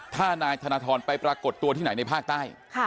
ถ้านายธนทรไปปรากฏตัวที่ไหนในภาคใต้